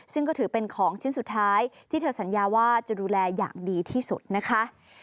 ซึ่งก็ถือเป็นของชิ้นสุดท้ายที่เธอสัญญาว่าจะดูแลอย่างดีที่สุดนะคะ